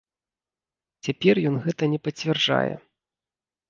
Цяпер ён гэта не пацвярджае.